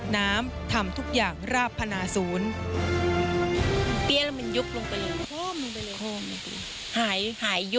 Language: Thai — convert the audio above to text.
น้ำทำทุกอย่างราบพนาศูนย์